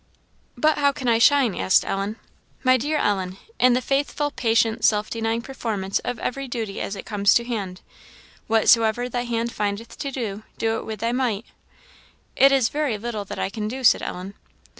"But how can I shine?" asked Ellen. "My dear Ellen in the faithful, patient, self denying performance of every duty as it comes to hand 'Whatsoever thy hand findeth to do, do it with thy might.' " "It is very little that I can do," said Ellen.